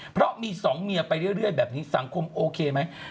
เพราะมีสองเมียไปเรื่อยแบบนี้สังคมโอเคไหม